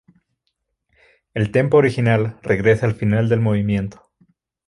El tempo original regresa al final del movimiento.